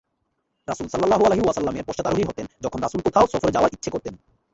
রাসূলুল্লাহ সাল্লাল্লাহু আলাইহি ওয়াসাল্লামের পশ্চাতারোহী হতেন, যখন রাসূল কোথাও সফরে যাওয়ার ইচ্ছে করতেন।